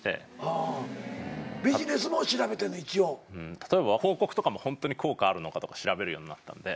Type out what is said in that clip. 例えば広告とかもホントに効果あるのかとか調べるようになったんで。